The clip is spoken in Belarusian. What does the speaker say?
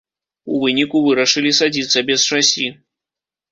У выніку вырашылі садзіцца без шасі.